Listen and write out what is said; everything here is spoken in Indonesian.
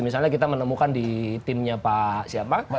misalnya kita menemukan di timnya pak siapa